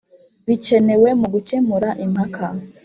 Bikenewe Mu Gukemura Impaka